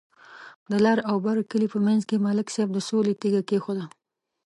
د لر او بر کلي په منځ کې ملک صاحب د سولې تیگه کېښوده.